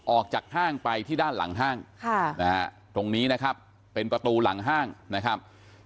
ออกจากห้างไปที่ด้านหลังห้างตรงนี้นะครับเป็นประตูหลังห้างนะครับ